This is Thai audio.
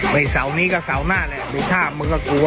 เสาร์นี้ก็เสาร์หน้าแหละดูท่ามึงก็กลัว